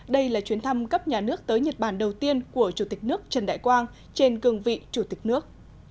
đây là chuyến thăm cấp nhà nước tới nhật bản đầu tiên của chủ tịch nước trần đại quang trên cường vị chủ tịch nước